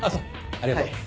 ありがとう。